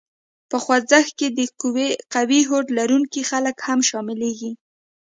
په خوځښت کې د قوي هوډ لرونکي خلک هم شامليږي.